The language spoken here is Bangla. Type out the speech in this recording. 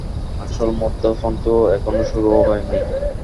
আসল মদ্যপান তো এখনও শুরুই হয়নি।